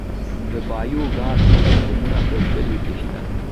د بایو ګاز سیستمونه په کلیو کې شته؟